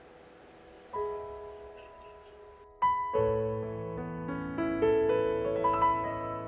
กลัวลูกก็เรียนไม่จบ